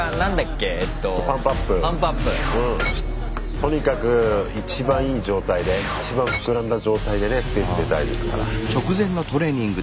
とにかく一番いい状態で一番膨らんだ状態でねステージ出たいですから。